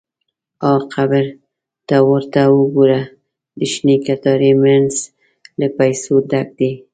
– ها قبر! ته ورته وګوره، د شنې کتارې مینځ له پیسو ډک دی.